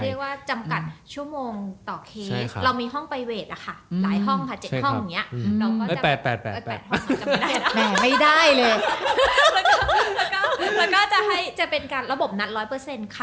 อ่ะเรียกว่ามีจำกัดชั่วโมงต่อเคส